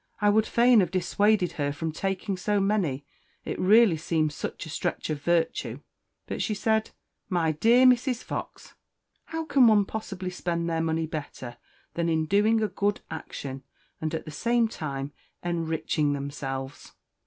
I would fain have dissuaded her from taking so many it really seemed such a stretch of virtue; but she said, 'My dear Mrs. Fox, how can one possibly spend their money better than in doing a good action, and at the same time enriching themselves?'"